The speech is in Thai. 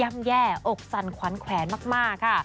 แย่อกสั่นขวัญแขวนมากค่ะ